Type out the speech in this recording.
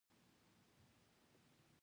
امریکا کې نژادي سلسله مراتبو دوام لري.